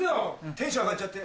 ・テンション上がっちゃって